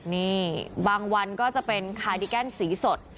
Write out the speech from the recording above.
นี่บางวันก็จะเป็นคาดิแกนสีสด